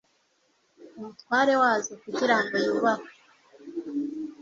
Umutware wazo kugira ngo yubahwe,